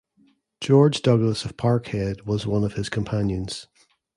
George Douglas of Parkhead was one of his companions.